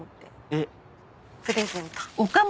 えっ！プレゼント。